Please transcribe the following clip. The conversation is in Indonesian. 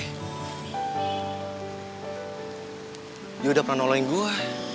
dia udah pernah nolain gua